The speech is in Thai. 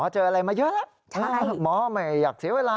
เจออะไรมาเยอะแล้วหมอไม่อยากเสียเวลา